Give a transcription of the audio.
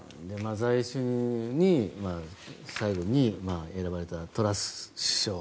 在位中に最後に選ばれたトラス首相。